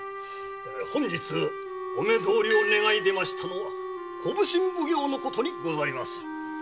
本日お目どおりを願いいでましたのは小普請奉行のことにございます。